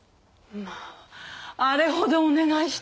まああれほどお願いしたのに。